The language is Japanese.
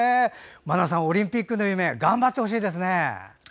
茉奈さん、オリンピックの夢頑張ってほしいですね。